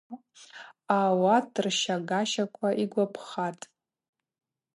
Ауат рщагащаква йгвапхатӏ.